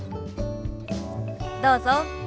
どうぞ。